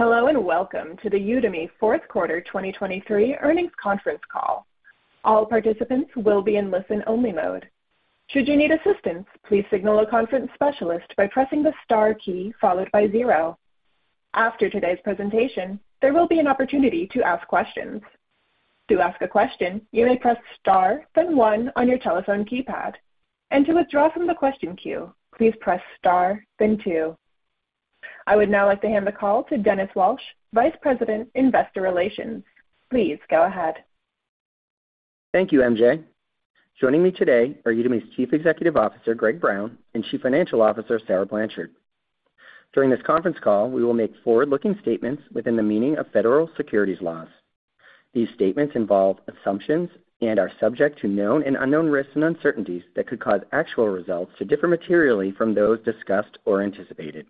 Hello and welcome to the Udemy fourth quarter 2023 earnings conference call. All participants will be in listen-only mode. Should you need assistance, please signal a conference specialist by pressing the star key followed by zero. After today's presentation, there will be an opportunity to ask questions. To ask a question, you may press star, then one on your telephone keypad. To withdraw from the question queue, please press star, then two. I would now like to hand the call to Dennis Walsh, Vice President, Investor Relations. Please go ahead. Thank you, MJ. Joining me today are Udemy's Chief Executive Officer, Greg Brown, and Chief Financial Officer, Sarah Blanchard. During this conference call, we will make forward-looking statements within the meaning of federal securities laws. These statements involve assumptions and are subject to known and unknown risks and uncertainties that could cause actual results to differ materially from those discussed or anticipated.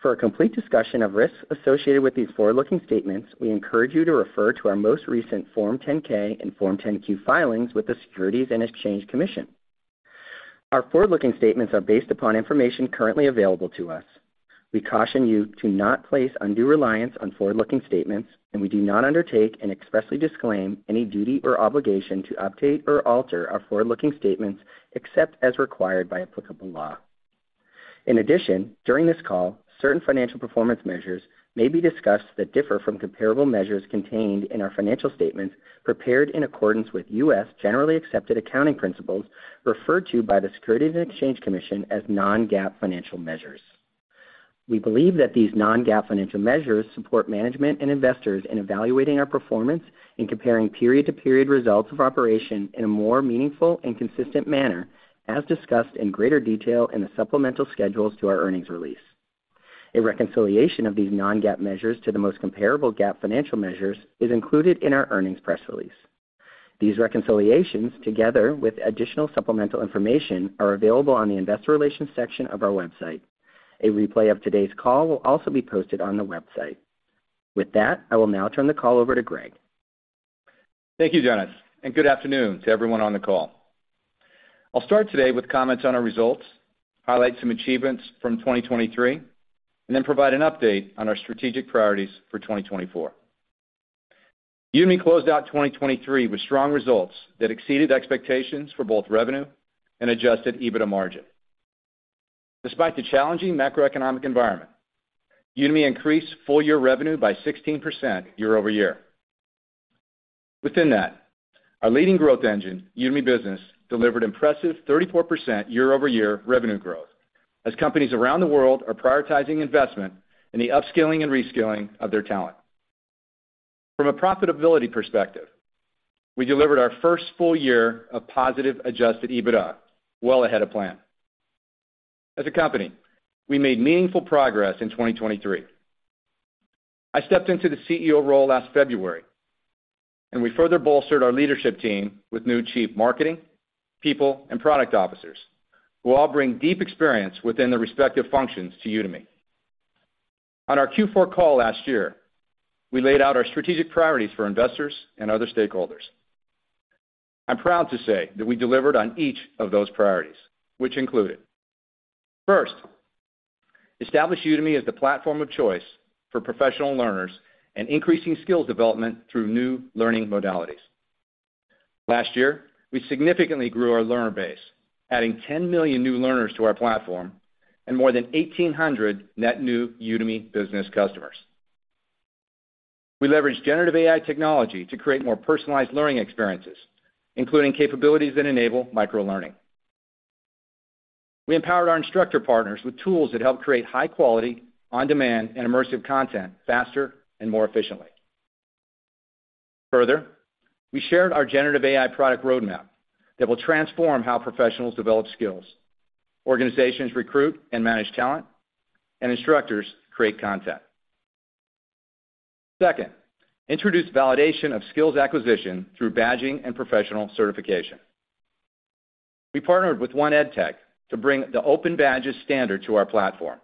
For a complete discussion of risks associated with these forward-looking statements, we encourage you to refer to our most recent Form 10-K and Form 10-Q filings with the Securities and Exchange Commission. Our forward-looking statements are based upon information currently available to us. We caution you to not place undue reliance on forward-looking statements, and we do not undertake and expressly disclaim any duty or obligation to update or alter our forward-looking statements except as required by applicable law. In addition, during this call, certain financial performance measures may be discussed that differ from comparable measures contained in our financial statements prepared in accordance with U.S. generally accepted accounting principles referred to by the Securities and Exchange Commission as non-GAAP financial measures. We believe that these non-GAAP financial measures support management and investors in evaluating our performance and comparing period-to-period results of operation in a more meaningful and consistent manner as discussed in greater detail in the supplemental schedules to our earnings release. A reconciliation of these non-GAAP measures to the most comparable GAAP financial measures is included in our earnings press release. These reconciliations, together with additional supplemental information, are available on the Investor Relations section of our website. A replay of today's call will also be posted on the website. With that, I will now turn the call over to Greg. Thank you, Dennis, and good afternoon to everyone on the call. I'll start today with comments on our results, highlight some achievements from 2023, and then provide an update on our strategic priorities for 2024. Udemy closed out 2023 with strong results that exceeded expectations for both revenue and Adjusted EBITDA margin. Despite the challenging macroeconomic environment, Udemy increased full-year revenue by 16% year-over-year. Within that, our leading growth engine, Udemy Business, delivered impressive 34% year-over-year revenue growth as companies around the world are prioritizing investment in the upskilling and reskilling of their talent. From a profitability perspective, we delivered our first full year of positive Adjusted EBITDA well ahead of plan. As a company, we made meaningful progress in 2023. I stepped into the CEO role last February, and we further bolstered our leadership team with new Chief Marketing, People, and Product Officers who all bring deep experience within their respective functions to Udemy. On our Q4 call last year, we laid out our strategic priorities for investors and other stakeholders. I'm proud to say that we delivered on each of those priorities, which included: First, establish Udemy as the platform of choice for professional learners and increasing skills development through new learning modalities. Last year, we significantly grew our learner base, adding 10 million new learners to our platform and more than 1,800 net new Udemy Business customers. We leveraged generative AI technology to create more personalized learning experiences, including capabilities that enable microlearning. We empowered our instructor partners with tools that help create high-quality, on-demand, and immersive content faster and more efficiently. Further, we shared our generative AI product roadmap that will transform how professionals develop skills, organizations recruit and manage talent, and instructors create content. Second, introduce validation of skills acquisition through badging and professional certification. We partnered with 1EdTech to bring the Open Badges standard to our platform.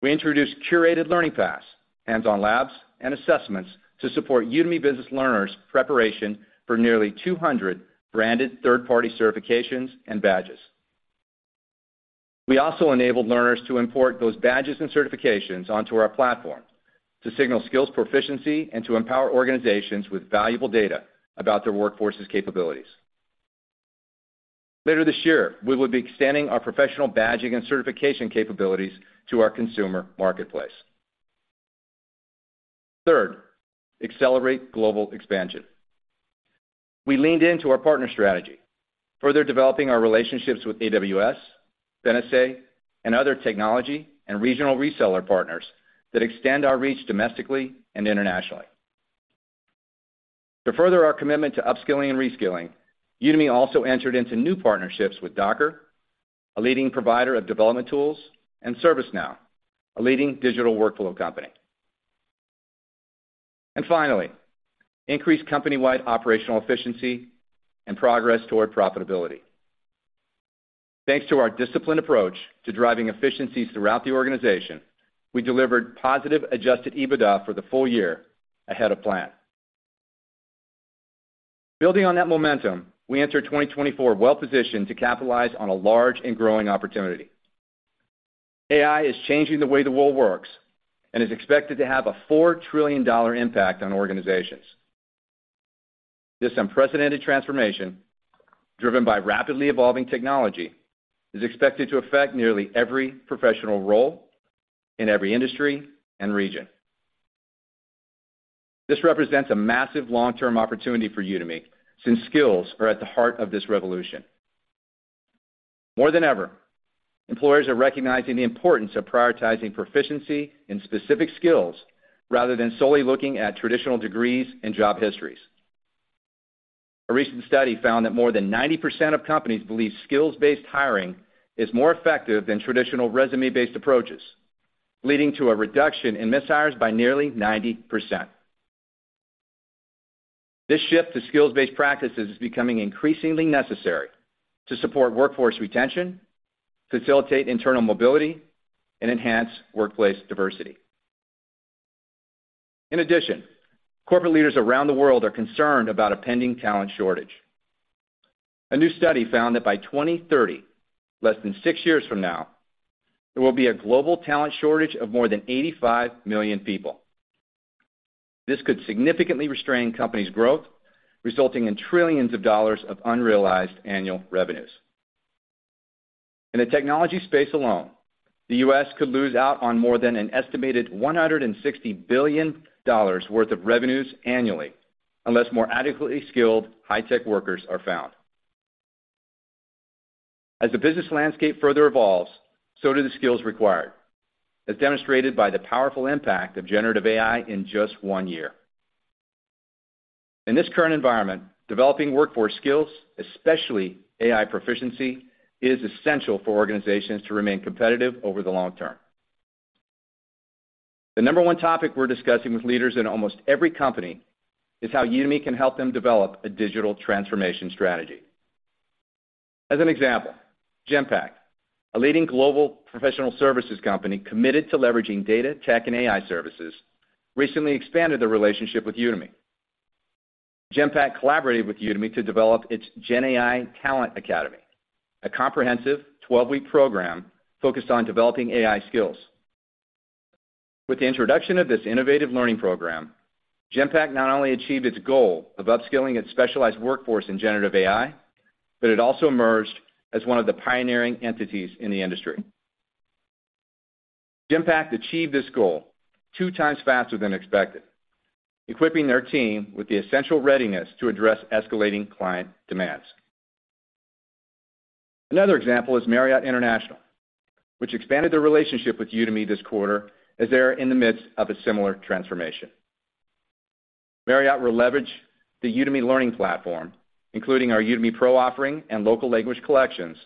We introduced curated learning paths, hands-on labs, and assessments to support Udemy Business learners' preparation for nearly 200 branded third-party certifications and badges. We also enabled learners to import those badges and certifications onto our platform to signal skills proficiency and to empower organizations with valuable data about their workforce's capabilities. Later this year, we will be extending our professional badging and certification capabilities to our consumer marketplace. Third, accelerate global expansion. We leaned into our partner strategy, further developing our relationships with AWS, Benesse, and other technology and regional reseller partners that extend our reach domestically and internationally. To further our commitment to upskilling and reskilling, Udemy also entered into new partnerships with Docker, a leading provider of development tools, and ServiceNow, a leading digital workflow company. And finally, increase company-wide operational efficiency and progress toward profitability. Thanks to our disciplined approach to driving efficiencies throughout the organization, we delivered positive Adjusted EBITDA for the full year ahead of plan. Building on that momentum, we enter 2024 well-positioned to capitalize on a large and growing opportunity. AI is changing the way the world works and is expected to have a $4 trillion impact on organizations. This unprecedented transformation, driven by rapidly evolving technology, is expected to affect nearly every professional role in every industry and region. This represents a massive long-term opportunity for Udemy since skills are at the heart of this revolution. More than ever, employers are recognizing the importance of prioritizing proficiency in specific skills rather than solely looking at traditional degrees and job histories. A recent study found that more than 90% of companies believe skills-based hiring is more effective than traditional resume-based approaches, leading to a reduction in mishires by nearly 90%. This shift to skills-based practices is becoming increasingly necessary to support workforce retention, facilitate internal mobility, and enhance workplace diversity. In addition, corporate leaders around the world are concerned about a pending talent shortage. A new study found that by 2030, less than six years from now, there will be a global talent shortage of more than 85 million people. This could significantly restrain companies' growth, resulting in trillions of dollars unrealized annual revenues. In the technology space alone, the U.S. could lose out on more than an estimated $160 billion worth of revenues annually unless more adequately skilled high-tech workers are found. As the business landscape further evolves, so do the skills required, as demonstrated by the powerful impact of generative AI in just one year. In this current environment, developing workforce skills, especially AI proficiency, is essential for organizations to remain competitive over the long term. The number one topic we're discussing with leaders in almost every company is how Udemy can help them develop a digital transformation strategy. As an example, Genpact, a leading global professional services company committed to leveraging data, tech, and AI services, recently expanded their relationship with Udemy. Genpact collaborated with Udemy to develop its GenAI Talent Academy, a comprehensive 12-week program focused on developing AI skills. With the introduction of this innovative learning program, Genpact not only achieved its goal of upskilling its specialized workforce in generative AI, but it also emerged as one of the pioneering entities in the industry. Genpact achieved this goal two times faster than expected, equipping their team with the essential readiness to address escalating client demands. Another example is Marriott International, which expanded their relationship with Udemy this quarter as they are in the midst of a similar transformation. Marriott will leverage the Udemy learning platform, including our Udemy Pro offering and local language collections,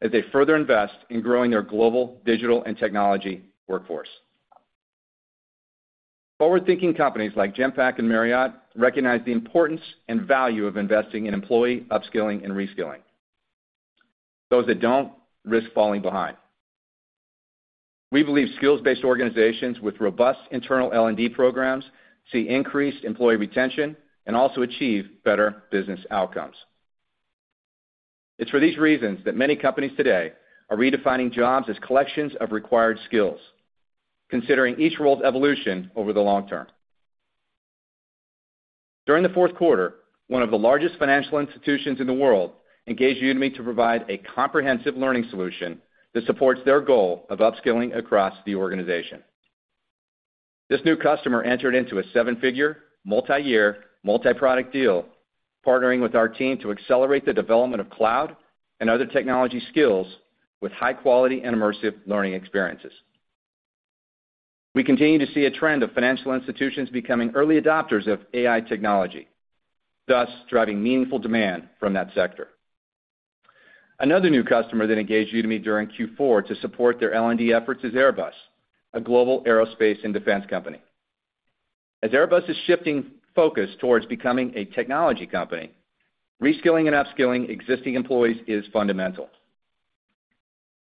as they further invest in growing their global digital and technology workforce. Forward-thinking companies like Genpact and Marriott recognize the importance and value of investing in employee upskilling and reskilling. Those that don't risk falling behind. We believe skills-based organizations with robust internal L&D programs see increased employee retention and also achieve better business outcomes. It's for these reasons that many companies today are redefining jobs as collections of required skills, considering each role's evolution over the long term. During the fourth quarter, one of the largest financial institutions in the world engaged Udemy to provide a comprehensive learning solution that supports their goal of upskilling across the organization. This new customer entered into a seven-figure, multi-year, multi-product deal, partnering with our team to accelerate the development of cloud and other technology skills with high-quality and immersive learning experiences. We continue to see a trend of financial institutions becoming early adopters of AI technology, thus driving meaningful demand from that sector. Another new customer that engaged Udemy during Q4 to support their L&D efforts is Airbus, a global aerospace and defense company. As Airbus is shifting focus towards becoming a technology company, reskilling and upskilling existing employees is fundamental.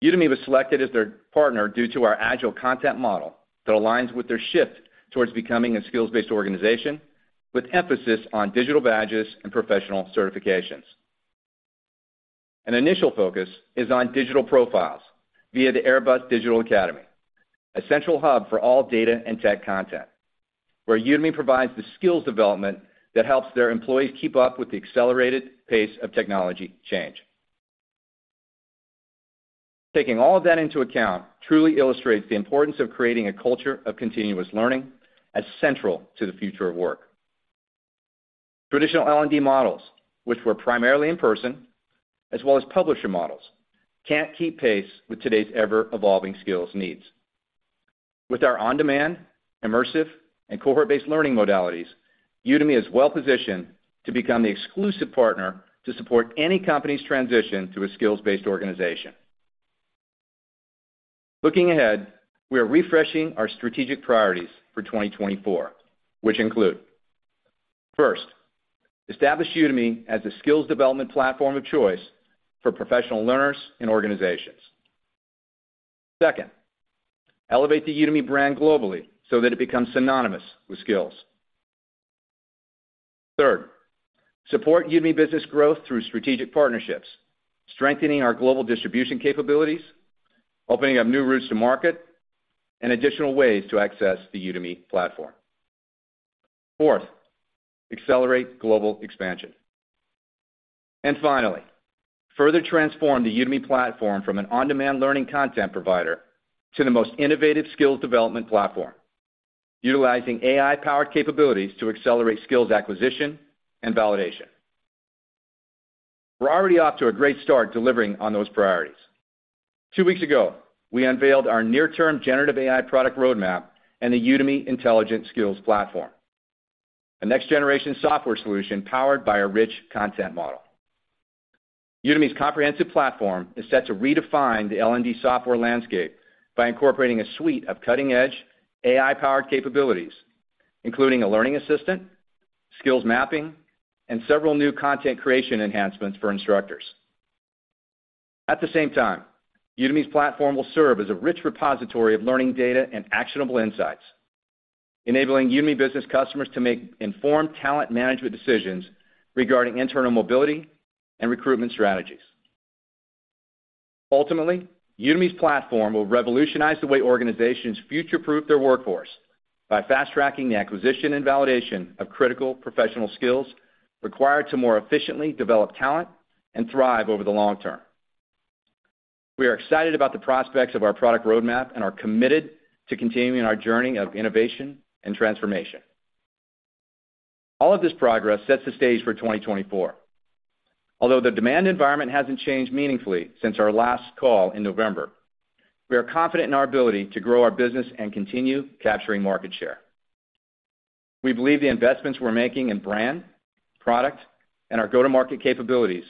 Udemy was selected as their partner due to our agile content model that aligns with their shift towards becoming a skills-based organization with emphasis on digital badges and professional certifications. An initial focus is on digital profiles via the Airbus Digital Academy, a central hub for all data and tech content, where Udemy provides the skills development that helps their employees keep up with the accelerated pace of technology change. Taking all of that into account truly illustrates the importance of creating a culture of continuous learning as central to the future of work. Traditional L&D models, which were primarily in-person, as well as publisher models, can't keep pace with today's ever-evolving skills needs. With our on-demand, immersive, and cohort-based learning modalities, Udemy is well-positioned to become the exclusive partner to support any company's transition to a skills-based organization. Looking ahead, we are refreshing our strategic priorities for 2024, which include: First, establish Udemy as the skills development platform of choice for professional learners and organizations. Second, elevate the Udemy brand globally so that it becomes synonymous with skills. Third, support Udemy Business growth through strategic partnerships, strengthening our global distribution capabilities, opening up new routes to market, and additional ways to access the Udemy platform. Fourth, accelerate global expansion. And finally, further transform the Udemy platform from an on-demand learning content provider to the most innovative skills development platform, utilizing AI-powered capabilities to accelerate skills acquisition and validation. We're already off to a great start delivering on those priorities. Two weeks ago, we unveiled our near-term generative AI product roadmap and the Udemy Intelligent Skills Platform, a next-generation software solution powered by a rich content model. Udemy's comprehensive platform is set to redefine the L&D software landscape by incorporating a suite of cutting-edge AI-powered capabilities, including a learning assistant, skills mapping, and several new content creation enhancements for instructors. At the same time, Udemy's platform will serve as a rich repository of learning data and actionable insights, enabling Udemy Business customers to make informed talent management decisions regarding internal mobility and recruitment strategies. Ultimately, Udemy's platform will revolutionize the way organizations future-proof their workforce by fast-tracking the acquisition and validation of critical professional skills required to more efficiently develop talent and thrive over the long term. We are excited about the prospects of our product roadmap and are committed to continuing our journey of innovation and transformation. All of this progress sets the stage for 2024. Although the demand environment hasn't changed meaningfully since our last call in November, we are confident in our ability to grow our business and continue capturing market share. We believe the investments we're making in brand, product, and our go-to-market capabilities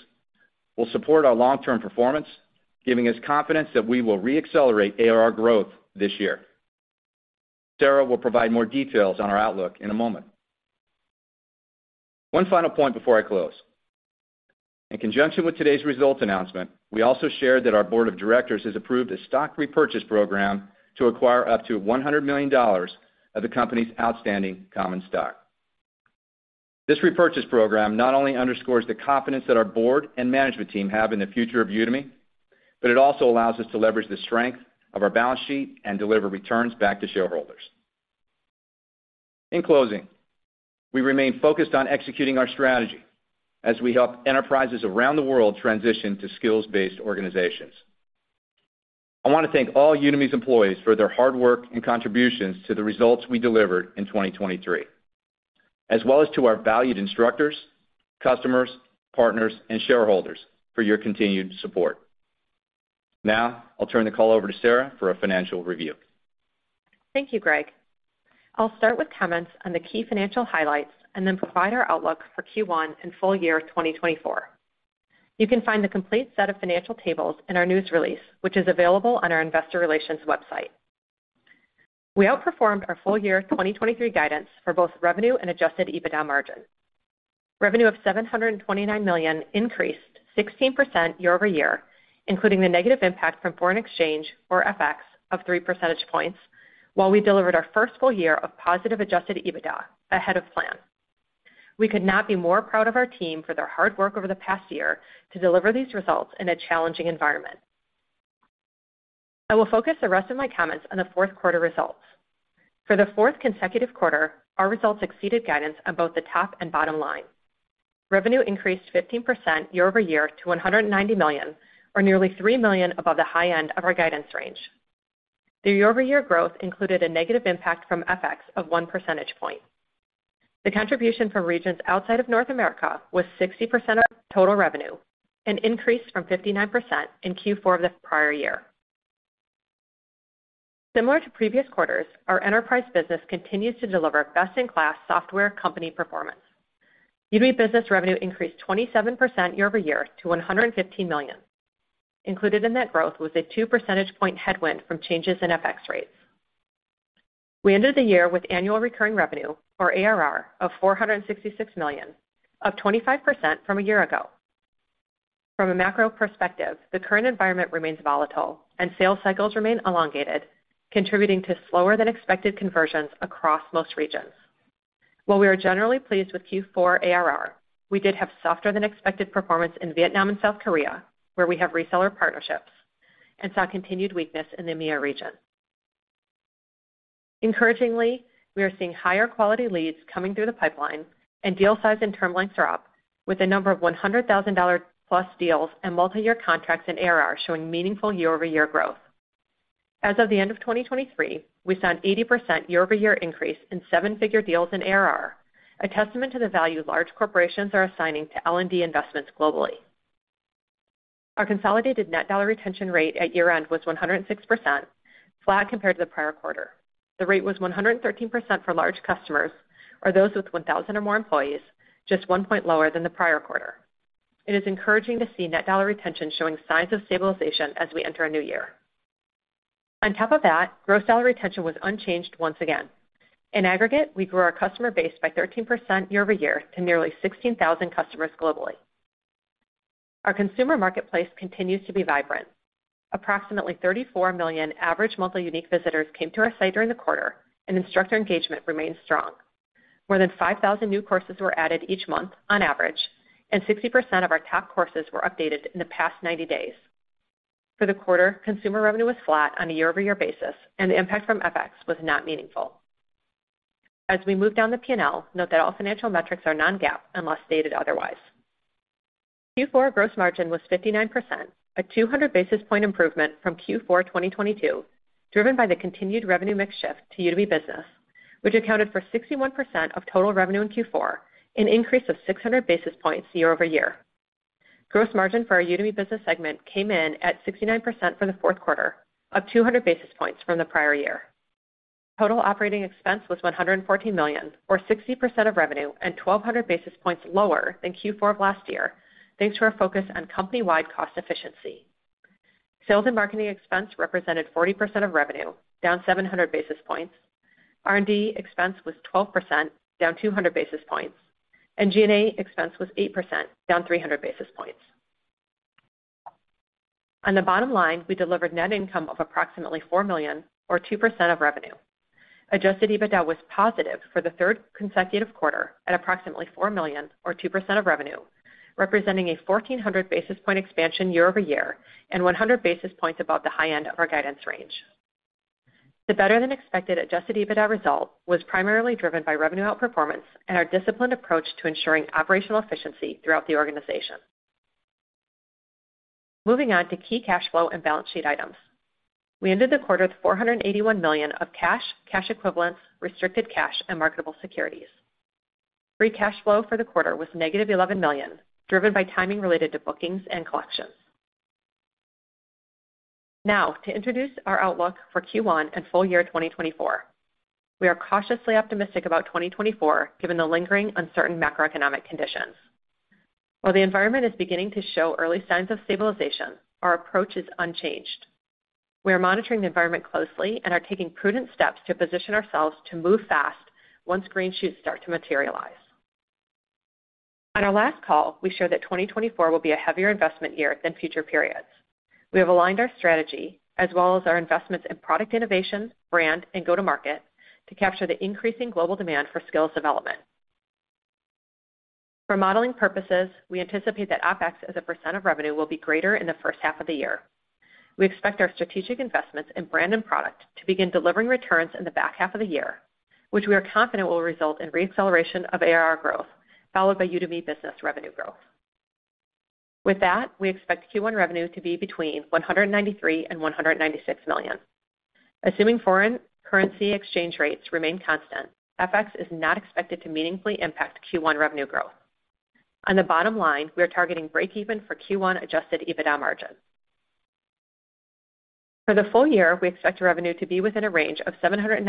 will support our long-term performance, giving us confidence that we will reaccelerate ARR growth this year. Sarah will provide more details on our outlook in a moment. One final point before I close. In conjunction with today's results announcement, we also shared that our board of directors has approved a stock repurchase program to acquire up to $100 million of the company's outstanding common stock. This repurchase program not only underscores the confidence that our board and management team have in the future of Udemy, but it also allows us to leverage the strength of our balance sheet and deliver returns back to shareholders. In closing, we remain focused on executing our strategy as we help enterprises around the world transition to skills-based organizations. I want to thank all Udemy's employees for their hard work and contributions to the results we delivered in 2023, as well as to our valued instructors, customers, partners, and shareholders for your continued support. Now I'll turn the call over to Sarah for a financial review. Thank you, Greg. I'll start with comments on the key financial highlights and then provide our outlook for Q1 and full year 2024. You can find the complete set of financial tables in our news release, which is available on our investor relations website. We outperformed our full year 2023 guidance for both revenue and Adjusted EBITDA margin. Revenue of $729 million increased 16% year-over-year, including the negative impact from foreign exchange, or FX, of 3 percentage points, while we delivered our first full year of positive Adjusted EBITDA ahead of plan. We could not be more proud of our team for their hard work over the past year to deliver these results in a challenging environment. I will focus the rest of my comments on the fourth quarter results. For the fourth consecutive quarter, our results exceeded guidance on both the top and bottom line. Revenue increased 15% year-over-year to $190 million, or nearly $3 million above the high end of our guidance range. The year-over-year growth included a negative impact from FX of 1 percentage point. The contribution from regions outside of North America was 60% of total revenue, an increase from 59% in Q4 of the prior year. Similar to previous quarters, our enterprise business continues to deliver best-in-class software company performance. Udemy Business revenue increased 27% year-over-year to $115 million. Included in that growth was a 2 percentage point headwind from changes in FX rates. We ended the year with annual recurring revenue, or ARR, of $466 million, up 25% from a year ago. From a macro perspective, the current environment remains volatile, and sales cycles remain elongated, contributing to slower-than-expected conversions across most regions. While we are generally pleased with Q4 ARR, we did have softer-than-expected performance in Vietnam and South Korea, where we have reseller partnerships, and saw continued weakness in the EMEA region. Encouragingly, we are seeing higher-quality leads coming through the pipeline, and deal size and term lengths are up, with a number of $100,000+ deals and multi-year contracts in ARR showing meaningful year-over-year growth. As of the end of 2023, we saw an 80% year-over-year increase in seven-figure deals in ARR, a testament to the value large corporations are assigning to L&D investments globally. Our consolidated net dollar retention rate at year-end was 106%, flat compared to the prior quarter. The rate was 113% for large customers or those with 1,000 or more employees, just one point lower than the prior quarter. It is encouraging to see net dollar retention showing signs of stabilization as we enter a new year. On top of that, gross dollar retention was unchanged once again. In aggregate, we grew our customer base by 13% year-over-year to nearly 16,000 customers globally. Our consumer marketplace continues to be vibrant. Approximately 34 million average monthly unique visitors came to our site during the quarter, and instructor engagement remains strong. More than 5,000 new courses were added each month, on average, and 60% of our top courses were updated in the past 90 days. For the quarter, consumer revenue was flat on a year-over-year basis, and the impact from FX was not meaningful. As we move down the P&L, note that all financial metrics are non-GAAP unless stated otherwise. Q4 gross margin was 59%, a 200 basis point improvement from Q4 2022 driven by the continued revenue mix shift to Udemy Business, which accounted for 61% of total revenue in Q4, an increase of 600 basis points year-over-year. Gross margin for our Udemy Business segment came in at 69% for the fourth quarter, up 200 basis points from the prior year. Total operating expense was $114 million, or 60% of revenue, and 1,200 basis points lower than Q4 of last year, thanks to our focus on company-wide cost efficiency. Sales and marketing expense represented 40% of revenue, down 700 basis points. R&D expense was 12%, down 200 basis points, and G&A expense was 8%, down 300 basis points. On the bottom line, we delivered net income of approximately $4 million, or 2% of revenue. Adjusted EBITDA was positive for the third consecutive quarter at approximately $4 million, or 2% of revenue, representing a 1,400 basis point expansion year-over-year and 100 basis points above the high end of our guidance range. The better-than-expected Adjusted EBITDA result was primarily driven by revenue outperformance and our disciplined approach to ensuring operational efficiency throughout the organization. Moving on to key cash flow and balance sheet items. We ended the quarter with $481 million of cash, cash equivalents, restricted cash, and marketable securities. Free cash flow for the quarter was negative $11 million, driven by timing related to bookings and collections. Now, to introduce our outlook for Q1 and full year 2024. We are cautiously optimistic about 2024 given the lingering uncertain macroeconomic conditions. While the environment is beginning to show early signs of stabilization, our approach is unchanged. We are monitoring the environment closely and are taking prudent steps to position ourselves to move fast once green shoots start to materialize. On our last call, we shared that 2024 will be a heavier investment year than future periods. We have aligned our strategy as well as our investments in product innovation, brand, and go-to-market to capture the increasing global demand for skills development. For modeling purposes, we anticipate that OpEx as a percent of revenue will be greater in the first half of the year. We expect our strategic investments in brand and product to begin delivering returns in the back half of the year, which we are confident will result in reacceleration of ARR growth followed by Udemy Business revenue growth. With that, we expect Q1 revenue to be between $193-$196 million. Assuming foreign currency exchange rates remain constant, FX is not expected to meaningfully impact Q1 revenue growth. On the bottom line, we are targeting break-even for Q1 Adjusted EBITDA margin. For the full year, we expect revenue to be within a range of $795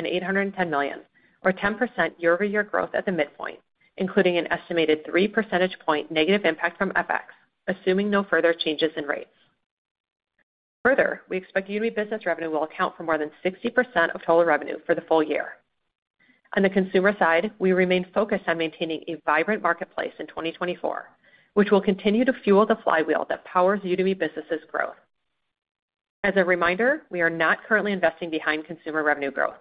million-$810 million, or 10% year-over-year growth at the midpoint, including an estimated 3 percentage point negative impact from FX, assuming no further changes in rates. Further, we expect Udemy Business revenue will account for more than 60% of total revenue for the full year. On the consumer side, we remain focused on maintaining a vibrant marketplace in 2024, which will continue to fuel the flywheel that powers Udemy Business's growth. As a reminder, we are not currently investing behind consumer revenue growth.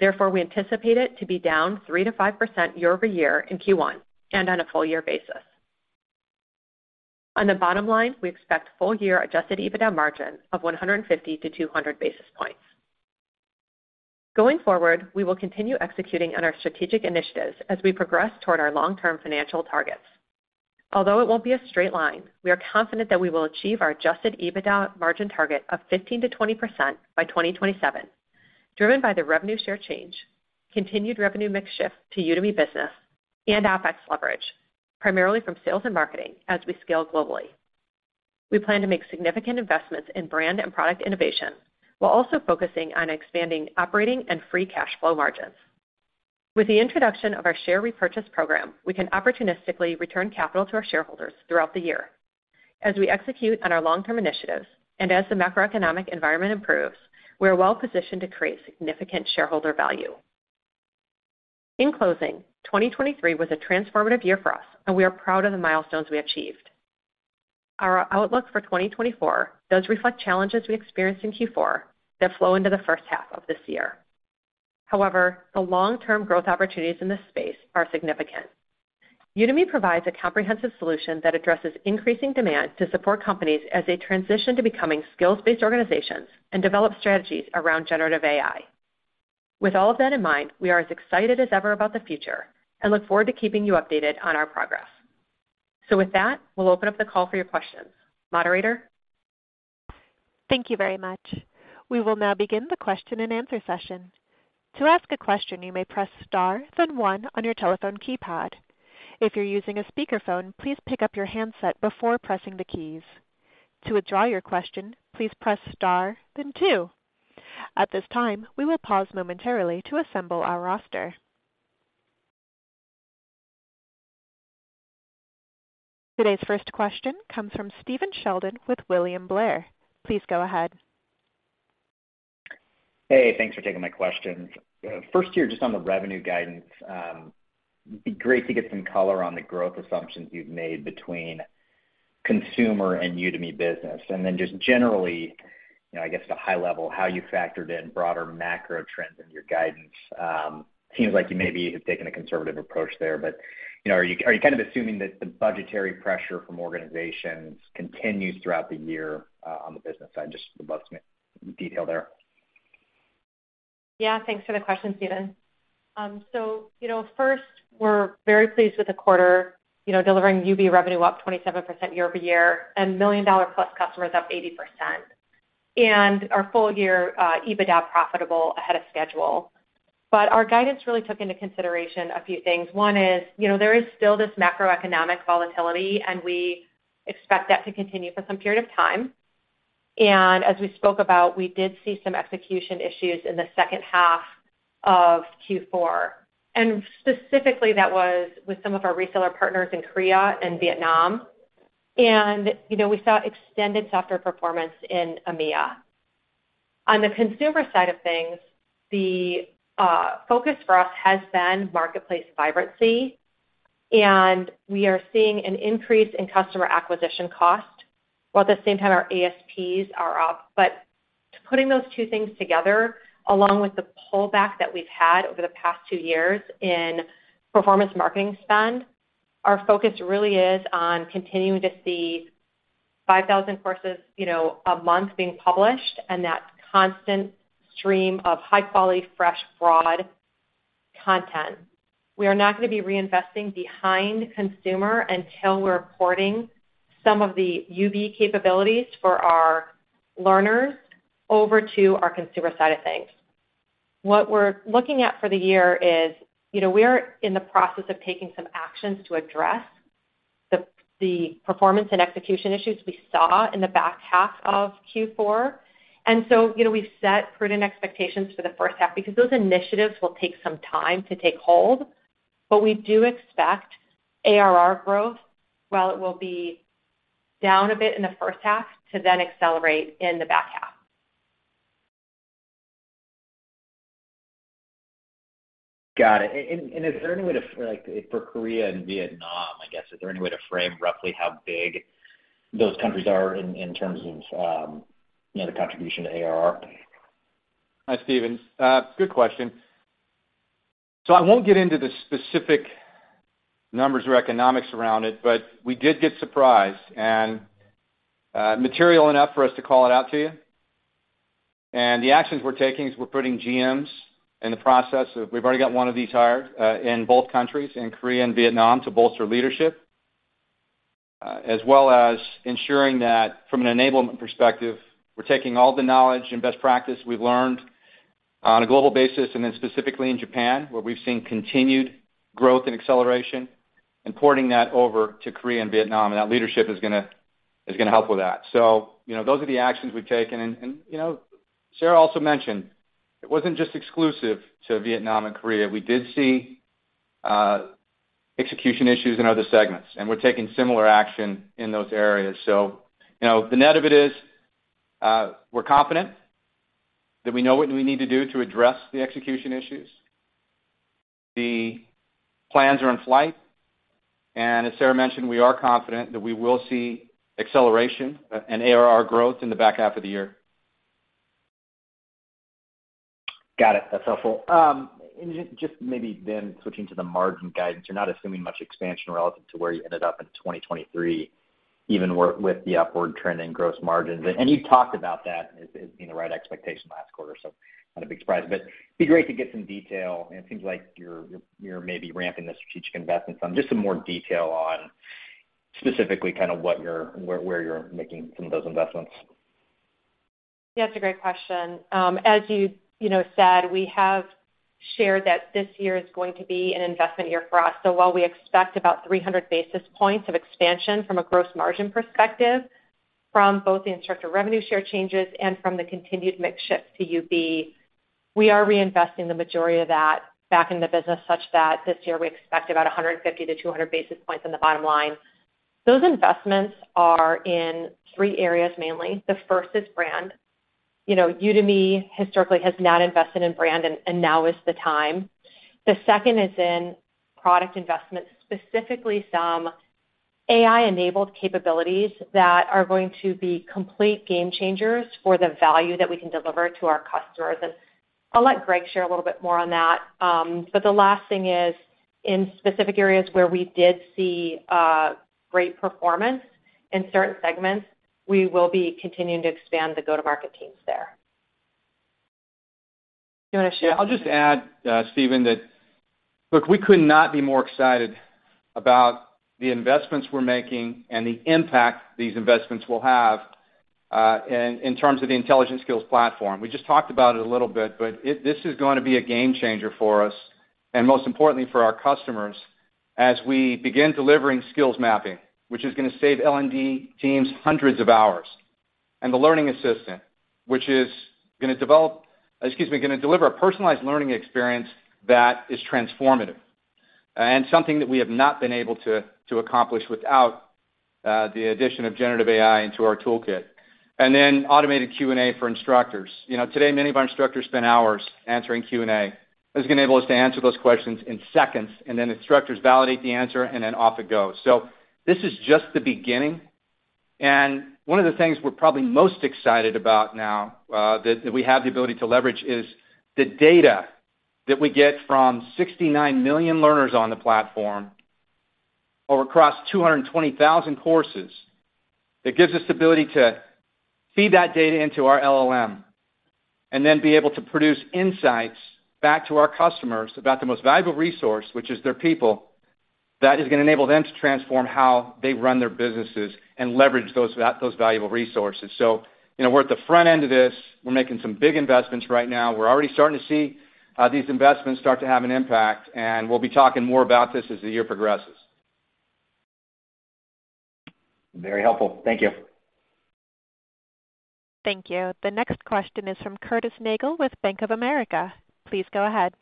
Therefore, we anticipate it to be down 3%-5% year-over-year in Q1 and on a full-year basis. On the bottom line, we expect full-year Adjusted EBITDA margin of 150-200 basis points. Going forward, we will continue executing on our strategic initiatives as we progress toward our long-term financial targets. Although it won't be a straight line, we are confident that we will achieve our Adjusted EBITDA margin target of 15%-20% by 2027, driven by the revenue share change, continued revenue mix shift to Udemy Business, and OpEx leverage, primarily from sales and marketing as we scale globally. We plan to make significant investments in brand and product innovation while also focusing on expanding operating and free cash flow margins. With the introduction of our share repurchase program, we can opportunistically return capital to our shareholders throughout the year. As we execute on our long-term initiatives and as the macroeconomic environment improves, we are well positioned to create significant shareholder value. In closing, 2023 was a transformative year for us, and we are proud of the milestones we achieved. Our outlook for 2024 does reflect challenges we experienced in Q4 that flow into the first half of this year. However, the long-term growth opportunities in this space are significant. Udemy provides a comprehensive solution that addresses increasing demand to support companies as they transition to becoming skills-based organizations and develop strategies around generative AI. With all of that in mind, we are as excited as ever about the future and look forward to keeping you updated on our progress. So with that, we'll open up the call for your questions. Moderator? Thank you very much. We will now begin the question and answer session. To ask a question, you may press star, then one, on your telephone keypad. If you're using a speakerphone, please pick up your handset before pressing the keys. To withdraw your question, please press star, then two. At this time, we will pause momentarily to assemble our roster. Today's first question comes from Stephen Sheldon with William Blair. Please go ahead. Hey, thanks for taking my questions. First here, just on the revenue guidance, it'd be great to get some color on the growth assumptions you've made between consumer and Udemy Business, and then just generally, I guess, at a high level, how you factored in broader macro trends in your guidance. It seems like you maybe have taken a conservative approach there, but are you kind of assuming that the budgetary pressure from organizations continues throughout the year on the business side? Just the bucks detail there. Yeah, thanks for the question, Stephen. So first, we're very pleased with the quarter, delivering UB revenue up 27% year-over-year and million-dollar-plus customers up 80%, and our full-year EBITDA profitable ahead of schedule. But our guidance really took into consideration a few things. One is there is still this macroeconomic volatility, and we expect that to continue for some period of time. And as we spoke about, we did see some execution issues in the second half of Q4. And specifically, that was with some of our reseller partners in Korea and Vietnam, and we saw extended software performance in EMEA. On the consumer side of things, the focus for us has been marketplace vibrancy, and we are seeing an increase in customer acquisition cost while at the same time our ASPs are up. But putting those two things together, along with the pullback that we've had over the past two years in performance marketing spend, our focus really is on continuing to see 5,000 courses a month being published and that constant stream of high-quality, fresh, broad content. We are not going to be reinvesting behind consumer until we're porting some of the UB capabilities for our learners over to our consumer side of things. What we're looking at for the year is we are in the process of taking some actions to address the performance and execution issues we saw in the back half of Q4. And so we've set prudent expectations for the first half because those initiatives will take some time to take hold. But we do expect ARR growth, while it will be down a bit in the first half, to then accelerate in the back half. Got it. And is there any way, for Korea and Vietnam, I guess, to frame roughly how big those countries are in terms of the contribution to ARR? Hi, Stephen. Good question. So I won't get into the specific numbers or economics around it, but we did get surprised and material enough for us to call it out to you. And the actions we're taking is we're putting GMs in the process of we've already got one of these hired in both countries, in Korea and Vietnam, to bolster leadership, as well as ensuring that from an enablement perspective, we're taking all the knowledge and best practice we've learned on a global basis and then specifically in Japan, where we've seen continued growth and acceleration, and porting that over to Korea and Vietnam. And that leadership is going to help with that. So those are the actions we've taken. And Sarah also mentioned, it wasn't just exclusive to Vietnam and Korea. We did see execution issues in other segments, and we're taking similar action in those areas. So the net of it is we're confident that we know what we need to do to address the execution issues. The plans are in flight. As Sarah mentioned, we are confident that we will see acceleration and ARR growth in the back half of the year. Got it. That's helpful. And just maybe then switching to the margin guidance, you're not assuming much expansion relative to where you ended up in 2023, even with the upward trend in gross margins. And you talked about that as being the right expectation last quarter, so not a big surprise. But it'd be great to get some detail. And it seems like you're maybe ramping the strategic investments on. Just some more detail on specifically kind of where you're making some of those investments. Yeah, that's a great question. As you said, we have shared that this year is going to be an investment year for us. So while we expect about 300 basis points of expansion from a gross margin perspective, from both the instructor revenue share changes and from the continued mix shift to UB, we are reinvesting the majority of that back in the business such that this year we expect about 150-200 basis points on the bottom line. Those investments are in three areas mainly. The first is brand. Udemy historically has not invested in brand, and now is the time. The second is in product investments, specifically some AI-enabled capabilities that are going to be complete game changers for the value that we can deliver to our customers. And I'll let Greg share a little bit more on that. The last thing is, in specific areas where we did see great performance in certain segments, we will be continuing to expand the go-to-market teams there. Do you want to share? Yeah. I'll just add, Stephen, that look, we could not be more excited about the investments we're making and the impact these investments will have in terms of the Intelligent Skills Platform. We just talked about it a little bit, but this is going to be a game changer for us and most importantly for our customers as we begin delivering skills mapping, which is going to save L&D teams hundreds of hours, and the learning assistant, which is going to develop, excuse me, going to deliver, a personalized learning experience that is transformative and something that we have not been able to accomplish without the addition of generative AI into our toolkit. And then automated Q&A for instructors. Today, many of our instructors spend hours answering Q&A that's going to enable us to answer those questions in seconds, and then instructors validate the answer, and then off it goes. This is just the beginning. One of the things we're probably most excited about now that we have the ability to leverage is the data that we get from 69 million learners on the platform or across 220,000 courses. That gives us the ability to feed that data into our LLM and then be able to produce insights back to our customers about the most valuable resource, which is their people, that is going to enable them to transform how they run their businesses and leverage those valuable resources. We're at the front end of this. We're making some big investments right now. We're already starting to see these investments start to have an impact, and we'll be talking more about this as the year progresses. Very helpful. Thank you. Thank you. The next question is from Curtis Nagle with Bank of America. Please go ahead.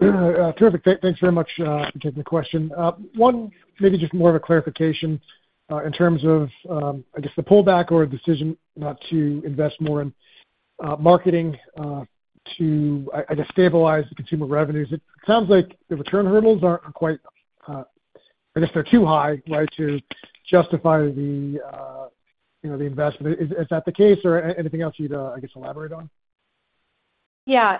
Terrific. Thanks very much for taking the question. One, maybe just more of a clarification in terms of, I guess, the pullback or decision not to invest more in marketing to, I guess, stabilize the consumer revenues. It sounds like the return hurdles aren't quite, I guess, they're too high, right, to justify the investment. Is that the case, or anything else you'd, I guess, elaborate on? Yeah.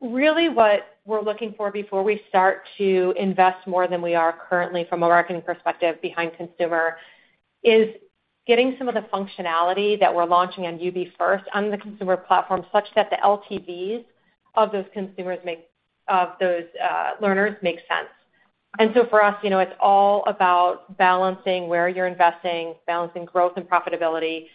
Really, what we're looking for before we start to invest more than we are currently from a marketing perspective behind consumer is getting some of the functionality that we're launching on UB first on the consumer platform such that the LTVs of those consumers make of those learners make sense. And so for us, it's all about balancing where you're investing, balancing growth and profitability.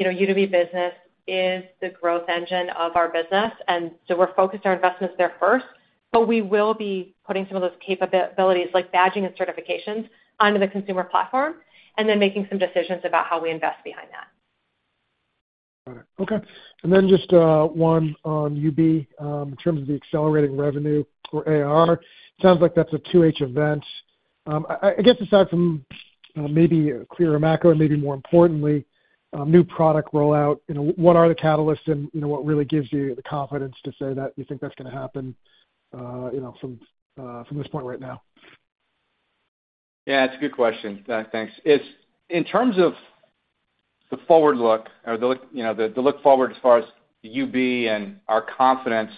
Udemy Business is the growth engine of our business, and so we're focused our investments there first. But we will be putting some of those capabilities like badging and certifications onto the consumer platform and then making some decisions about how we invest behind that. Got it. Okay. And then just one on UB in terms of the accelerating revenue or AR. It sounds like that's a 2H event. I guess aside from maybe a clearer macro and maybe more importantly, new product rollout, what are the catalysts and what really gives you the confidence to say that you think that's going to happen from this point right now? Yeah, that's a good question. Thanks. In terms of the forward look or the look forward as far as UB and our confidence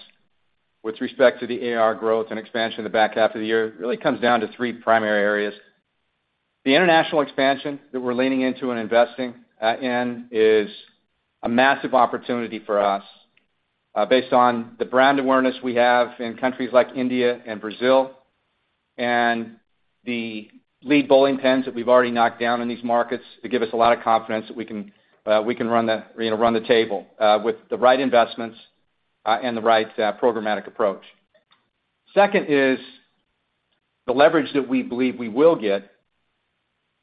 with respect to the AR growth and expansion in the back half of the year really comes down to three primary areas. The international expansion that we're leaning into and investing in is a massive opportunity for us based on the brand awareness we have in countries like India and Brazil and the lead bowling pins that we've already knocked down in these markets. It gives us a lot of confidence that we can run the table with the right investments and the right programmatic approach. Second is the leverage that we believe we will get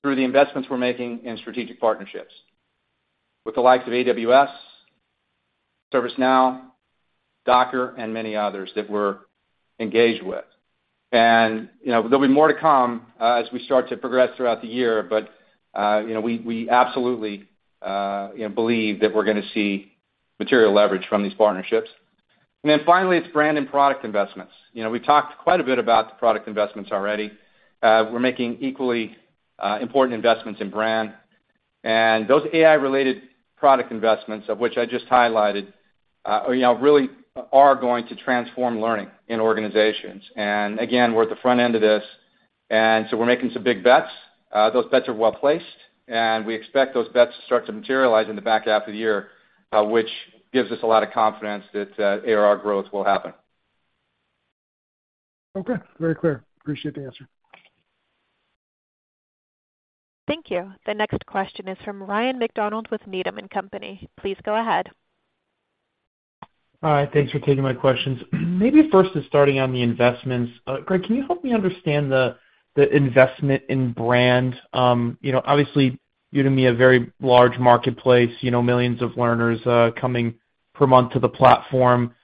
through the investments we're making in strategic partnerships with the likes of AWS, ServiceNow, Docker, and many others that we're engaged with. There'll be more to come as we start to progress throughout the year, but we absolutely believe that we're going to see material leverage from these partnerships. Then finally, it's brand and product investments. We've talked quite a bit about the product investments already. We're making equally important investments in brand. Those AI-related product investments of which I just highlighted really are going to transform learning in organizations. Again, we're at the front end of this, and so we're making some big bets. Those bets are well-placed, and we expect those bets to start to materialize in the back half of the year, which gives us a lot of confidence that ARR growth will happen. Okay. Very clear. Appreciate the answer. Thank you. The next question is from Ryan MacDonald with Needham & Company. Please go ahead. All right. Thanks for taking my questions. Maybe first is starting on the investments. Greg, can you help me understand the investment in brand? Obviously, Udemy is a very large marketplace, millions of learners coming per month to the platform.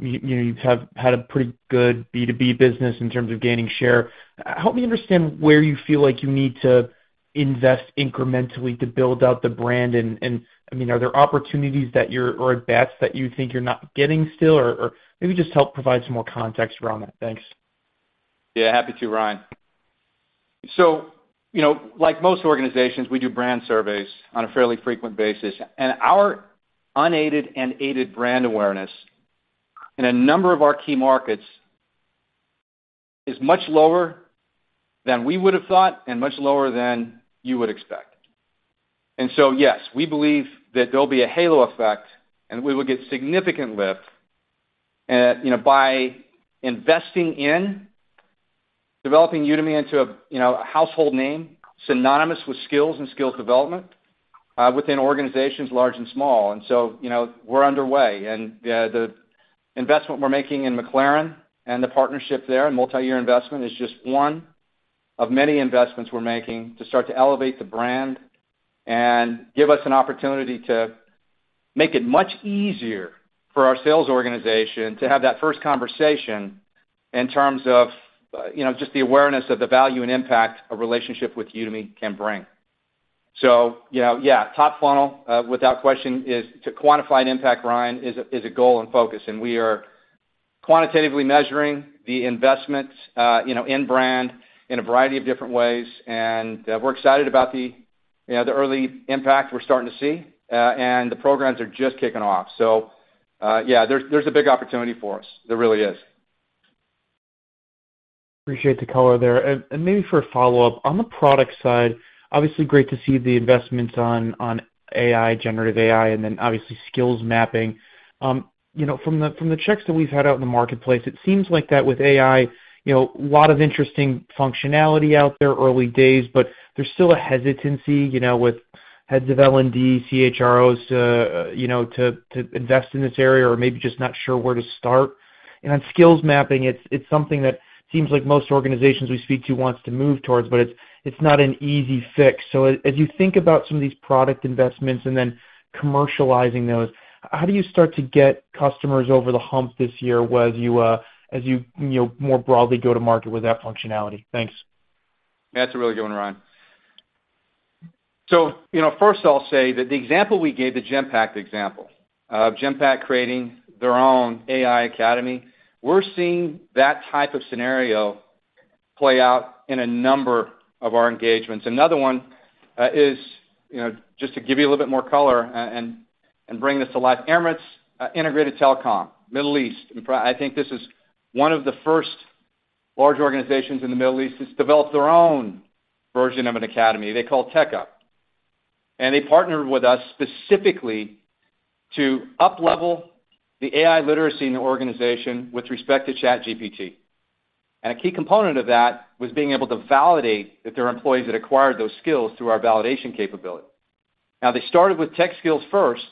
You've had a pretty good B2B business in terms of gaining share. Help me understand where you feel like you need to invest incrementally to build out the brand. And I mean, are there opportunities or bets that you think you're not getting still, or maybe just help provide some more context around that. Thanks. Yeah, happy to, Ryan. So like most organizations, we do brand surveys on a fairly frequent basis. Our unaided and aided brand awareness in a number of our key markets is much lower than we would have thought and much lower than you would expect. So yes, we believe that there'll be a halo effect, and we will get significant lift by investing in developing Udemy into a household name synonymous with skills and skills development within organizations large and small. We're underway. The investment we're making in McLaren and the partnership there and multi-year investment is just one of many investments we're making to start to elevate the brand and give us an opportunity to make it much easier for our sales organization to have that first conversation in terms of just the awareness of the value and impact a relationship with Udemy can bring. So yeah, top funnel without question is to quantify an impact, Ryan, is a goal and focus. We are quantitatively measuring the investment in brand in a variety of different ways. We're excited about the early impact we're starting to see, and the programs are just kicking off. So yeah, there's a big opportunity for us. There really is. Appreciate the color there. And maybe for a follow-up, on the product side, obviously, great to see the investments on AI, generative AI, and then obviously skills mapping. From the checks that we've had out in the marketplace, it seems like that with AI, a lot of interesting functionality out there early days, but there's still a hesitancy with heads of L&D, CHROs to invest in this area or maybe just not sure where to start. And on skills mapping, it's something that seems like most organizations we speak to wants to move towards, but it's not an easy fix. So as you think about some of these product investments and then commercializing those, how do you start to get customers over the hump this year as you more broadly go to market with that functionality? Thanks. Yeah, that's a really good one, Ryan. So first, I'll say that the example we gave, the Genpact example, Genpact creating their own AI academy, we're seeing that type of scenario play out in a number of our engagements. Another one is just to give you a little bit more color and bring this to life, Emirates Integrated Telecom, Middle East. And I think this is one of the first large organizations in the Middle East that's developed their own version of an academy. They call it Tech Up. And they partnered with us specifically to uplevel the AI literacy in the organization with respect to ChatGPT. And a key component of that was being able to validate that there are employees that acquired those skills through our validation capability. Now, they started with tech skills first,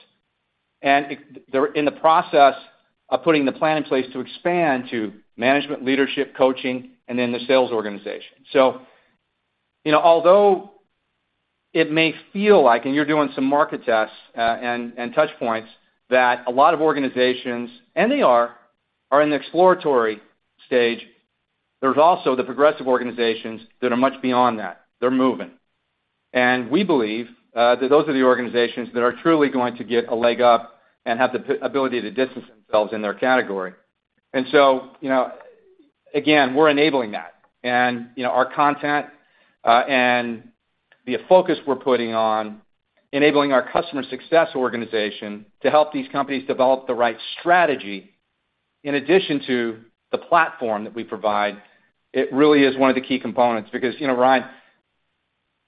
and they're in the process of putting the plan in place to expand to management, leadership, coaching, and then the sales organization. So although it may feel like, and you're doing some market tests and touchpoints, that a lot of organizations, and they are, are in the exploratory stage, there's also the progressive organizations that are much beyond that. They're moving. And we believe that those are the organizations that are truly going to get a leg up and have the ability to distance themselves in their category. And so again, we're enabling that. Our content and the focus we're putting on enabling our customer success organization to help these companies develop the right strategy in addition to the platform that we provide. It really is one of the key components because, Ryan,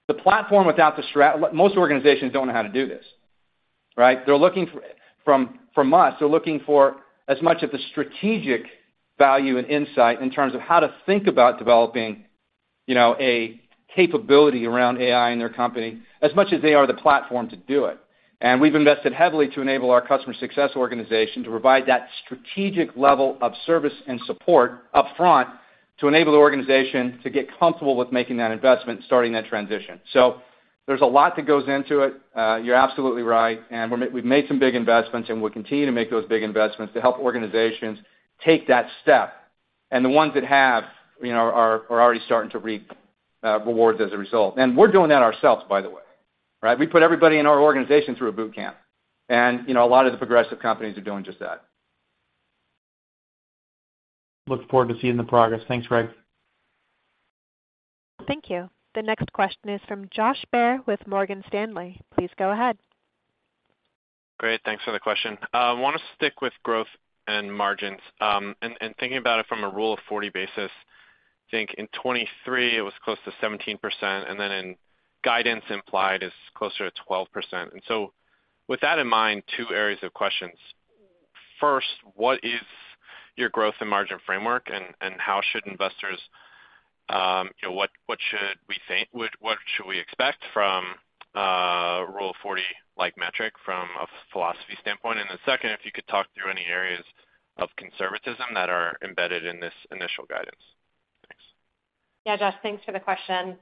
the platform without the most organizations don't know how to do this, right? From us, they're looking for as much of the strategic value and insight in terms of how to think about developing a capability around AI in their company as much as they are the platform to do it. We've invested heavily to enable our customer success organization to provide that strategic level of service and support upfront to enable the organization to get comfortable with making that investment and starting that transition. There's a lot that goes into it. You're absolutely right. We've made some big investments, and we'll continue to make those big investments to help organizations take that step. The ones that have are already starting to reap rewards as a result. We're doing that ourselves, by the way, right? We put everybody in our organization through a boot camp. A lot of the progressive companies are doing just that. Look forward to seeing the progress. Thanks, Greg. Thank you. The next question is from Josh Baer with Morgan Stanley. Please go ahead. Great. Thanks for the question. I want to stick with growth and margins. And thinking about it from a Rule of 40 basis, I think in 2023, it was close to 17%, and then in guidance implied is closer to 12%. And so with that in mind, two areas of questions. First, what is your growth and margin framework, and how should investors what should we think? What should we expect from a Rule of 40-like metric from a philosophy standpoint? And then second, if you could talk through any areas of conservatism that are embedded in this initial guidance. Thanks. Yeah, Josh, thanks for the question.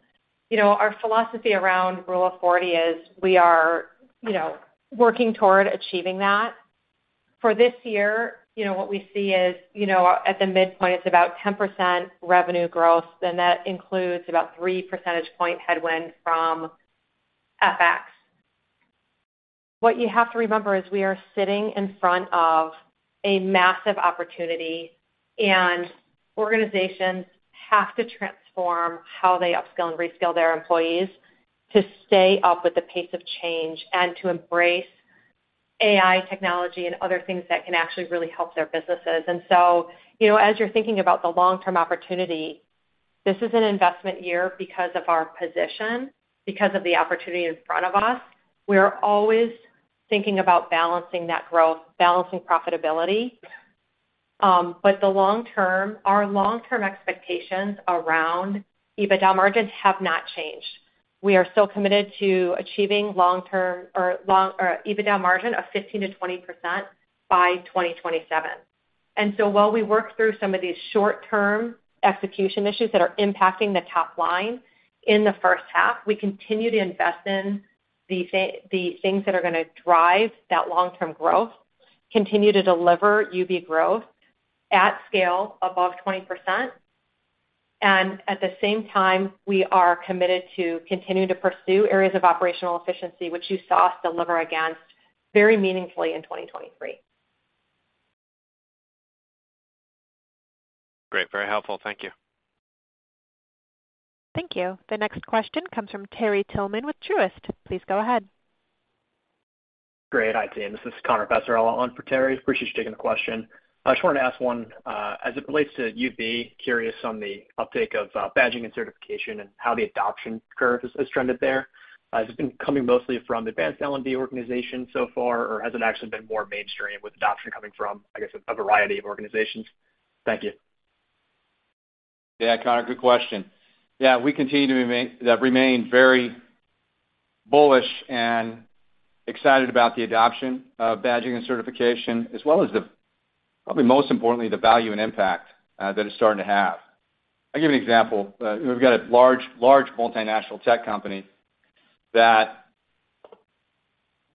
Our philosophy around Rule of 40 is we are working toward achieving that. For this year, what we see is at the midpoint, it's about 10% revenue growth. Then that includes about 3 percentage point headwind from FX. What you have to remember is we are sitting in front of a massive opportunity, and organizations have to transform how they upskill and reskill their employees to stay up with the pace of change and to embrace AI technology and other things that can actually really help their businesses. And so as you're thinking about the long-term opportunity, this is an investment year because of our position, because of the opportunity in front of us. We are always thinking about balancing that growth, balancing profitability. But our long-term expectations around EBITDA margin have not changed. We are still committed to achieving EBITDA margin of 15%-20% by 2027. So while we work through some of these short-term execution issues that are impacting the top line in the first half, we continue to invest in the things that are going to drive that long-term growth, continue to deliver UB growth at scale above 20%. At the same time, we are committed to continuing to pursue areas of operational efficiency, which you saw us deliver against very meaningfully in 2023. Great. Very helpful. Thank you. Thank you. The next question comes from Terry Tillman with Truist. Please go ahead. Great. Hi, Team. This is Connor Passarella on for Terry. Appreciate you taking the question. I just wanted to ask one. As it relates to UB, curious on the uptake of badging and certification and how the adoption curve has trended there. Has it been coming mostly from advanced L&D organizations so far, or has it actually been more mainstream with adoption coming from, I guess, a variety of organizations? Thank you. Yeah, Connor, good question. Yeah, we continue to remain very bullish and excited about the adoption of badging and certification as well as probably most importantly, the value and impact that it's starting to have. I'll give you an example. We've got a large multinational tech company that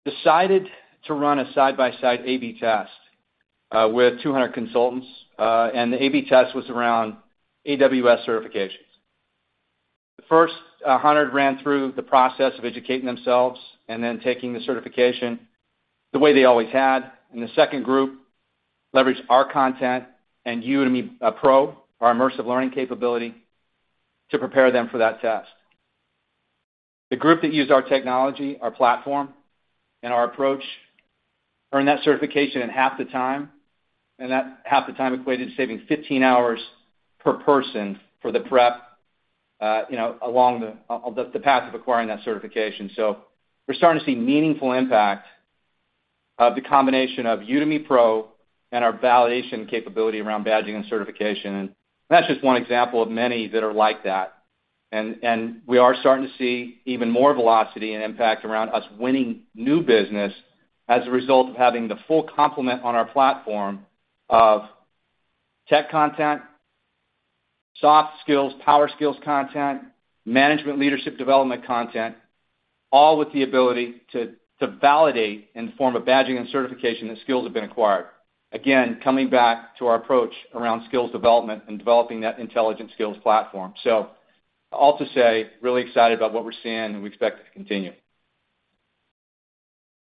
decided to run a side-by-side A/B test with 200 consultants, and the A/B test was around AWS certifications. The first 100 ran through the process of educating themselves and then taking the certification the way they always had. And the second group leveraged our content and Udemy Pro, our immersive learning capability, to prepare them for that test. The group that used our technology, our platform, and our approach earned that certification in half the time. And that half the time equated to saving 15 hours per person for the prep along the path of acquiring that certification. So we're starting to see meaningful impact of the combination of Udemy Pro and our validation capability around badging and certification. And that's just one example of many that are like that. And we are starting to see even more velocity and impact around us winning new business as a result of having the full complement on our platform of tech content, soft skills, power skills content, management leadership development content, all with the ability to validate in the form of badging and certification that skills have been acquired. Again, coming back to our approach around skills development and developing that Intelligent Skills Platform. So all to say, really excited about what we're seeing, and we expect it to continue.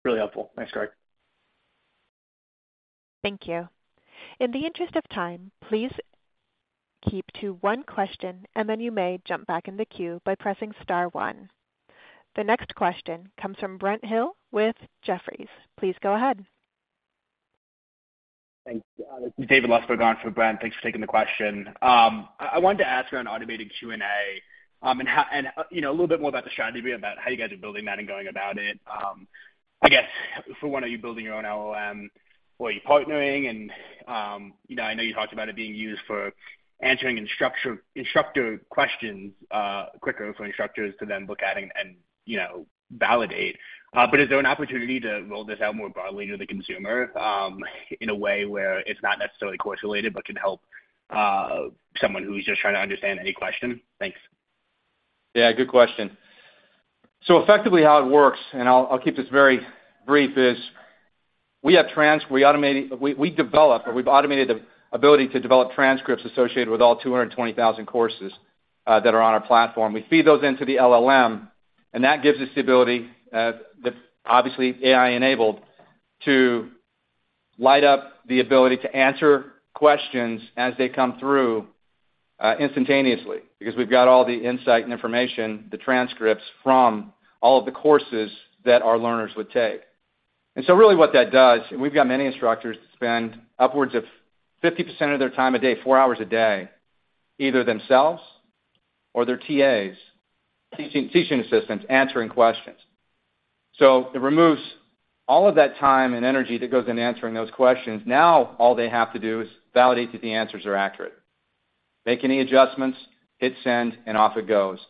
Really helpful. Thanks, Greg. Thank you. In the interest of time, please keep to one question, and then you may jump back in the queue by pressing star one. The next question comes from Brent Hill with Jefferies. Please go ahead. Thanks. David Lustberg on for Brent. Thanks for taking the question. I wanted to ask around automated Q&A and a little bit more about the strategy, about how you guys are building that and going about it. I guess, for one, are you building your own LLM, or are you partnering? And I know you talked about it being used for answering instructor questions quicker for instructors to then look at and validate, but is there an opportunity to roll this out more broadly to the consumer in a way where it's not necessarily course-related but can help someone who's just trying to understand any question? Thanks. Yeah, good question. So effectively, how it works - and I'll keep this very brief - is we develop or we've automated the ability to develop transcripts associated with all 220,000 courses that are on our platform. We feed those into the LLM, and that gives us the ability, obviously AI-enabled, to light up the ability to answer questions as they come through instantaneously because we've got all the insight and information, the transcripts from all of the courses that our learners would take. And so really what that does - and we've got many instructors that spend upwards of 50% of their time a day, four hours a day, either themselves or their TAs, teaching assistants, answering questions - so it removes all of that time and energy that goes into answering those questions. Now, all they have to do is validate that the answers are accurate, make any adjustments, hit send, and off it goes.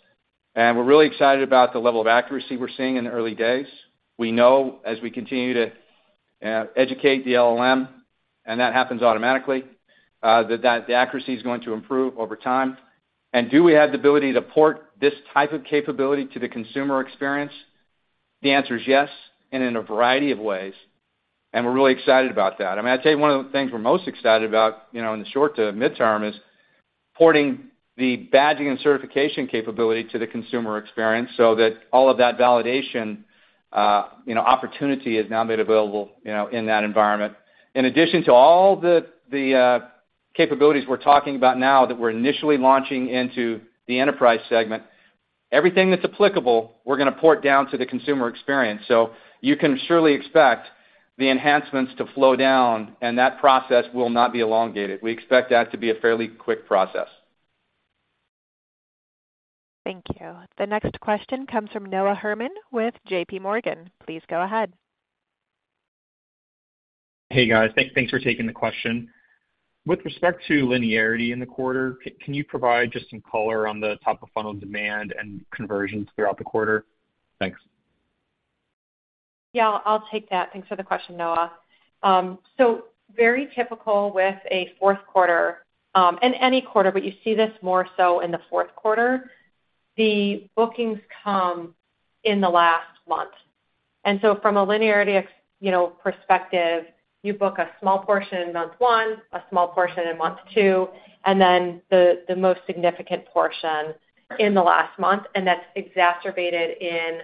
And we're really excited about the level of accuracy we're seeing in the early days. We know as we continue to educate the LLM - and that happens automatically - that the accuracy is going to improve over time. And do we have the ability to port this type of capability to the consumer experience? The answer is yes and in a variety of ways. And we're really excited about that. I mean, I'd say one of the things we're most excited about in the short to midterm is porting the badging and certification capability to the consumer experience so that all of that validation opportunity is now made available in that environment. In addition to all the capabilities we're talking about now that we're initially launching into the enterprise segment, everything that's applicable, we're going to port down to the consumer experience. So you can surely expect the enhancements to flow down, and that process will not be elongated. We expect that to be a fairly quick process. Thank you. The next question comes from Noah Herman with J.P. Morgan. Please go ahead. Hey, guys. Thanks for taking the question. With respect to linearity in the quarter, can you provide just some color on the top-of-funnel demand and conversions throughout the quarter? Thanks. Yeah, I'll take that. Thanks for the question, Noah. So very typical with a fourth quarter and any quarter, but you see this more so in the fourth quarter. The bookings come in the last month. And so from a linearity perspective, you book a small portion in month one, a small portion in month two, and then the most significant portion in the last month. And that's exacerbated in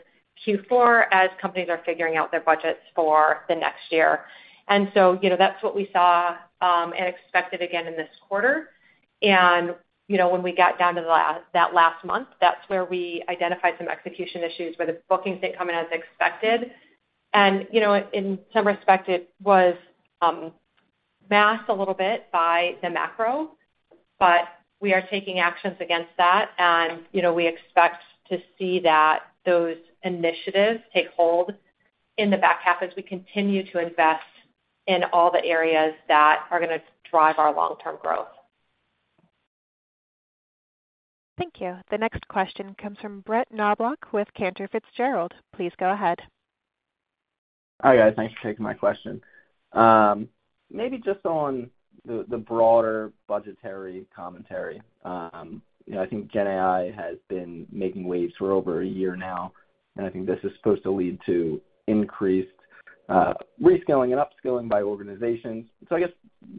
Q4 as companies are figuring out their budgets for the next year. And so that's what we saw and expected again in this quarter. And when we got down to that last month, that's where we identified some execution issues where the bookings didn't come in as expected. And in some respects, it was masked a little bit by the macro, but we are taking actions against that. We expect to see those initiatives take hold in the back half as we continue to invest in all the areas that are going to drive our long-term growth. Thank you. The next question comes from Brett Knoblauch with Cantor Fitzgerald. Please go ahead. Hi, guys. Thanks for taking my question. Maybe just on the broader budgetary commentary. I think GenAI has been making waves for over a year now, and I think this is supposed to lead to increased reskilling and upskilling by organizations. So I guess,